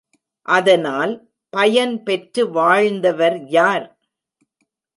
அதனால் பயன் பெற்று வாழ்ந்தவர் யார்?